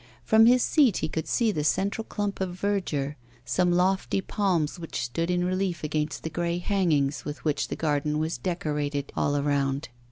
From his seat he could see the central clump of verdure, some lofty palms which stood in relief against the grey hangings with which the garden was decorated all round.